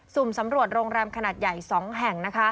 ุ่มสำรวจโรงแรมขนาดใหญ่๒แห่ง